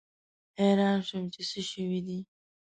حیران شوم چې څه شوي دي.